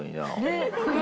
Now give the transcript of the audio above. ねっ。